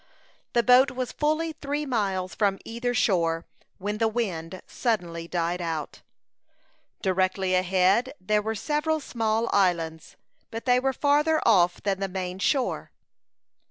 The boat was fully three miles from either shore, when the wind suddenly died out. Directly ahead, there were several small islands, but they were farther off than the main shore.